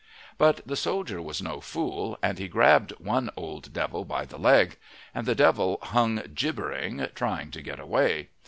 But the soldier was no fool, and he grabbed one old devil by the leg. And the devil hung gibbering, trying to get away.